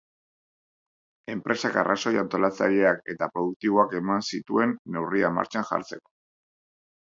Enpresak arrazoi antolatzaileak eta produktiboak eman zituen neurria martxan jartzeko.